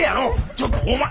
ちょっとお前！